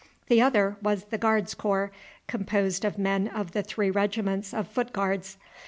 The other was the Guards Corps, composed of men of the three regiments of foot guards.